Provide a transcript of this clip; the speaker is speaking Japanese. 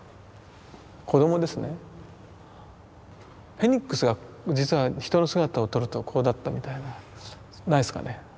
フェニックスが実は人の姿をとるとこうだったみたいなないですかね。